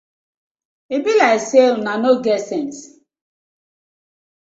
E bi layk say uno no get sence.